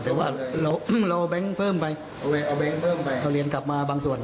แต่ว่าเราแบงค์เพิ่มไปเอาแก๊งเพิ่มไปเอาเรียนกลับมาบางส่วน